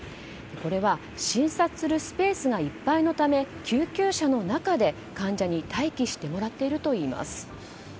これは、診察するスペースがいっぱいのため救急車の中で患者に待機してもらっているといいます。